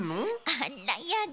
あらやだ。